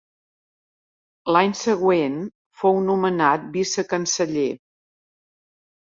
L’any següent fou nomenat vicecanceller.